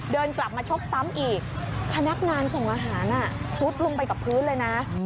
เดินกลับมาชกซ้ำอีกพนักงานส่งอาหารซุดลงไปกับพื้นเลยนะ